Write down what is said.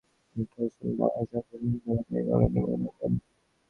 তিনি “torsion balance” যন্ত্রের বিভিন্ন ধরেনের গঠনের বর্ণনা দেন।